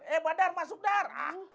eh badar masuk dar